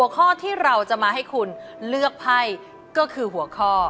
ข้อที่เราจะมาให้คุณเลือกไพ่ก็คือหัวข้อ